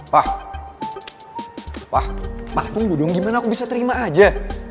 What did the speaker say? pak pak pak tunggu dong gimana aku bisa terima aja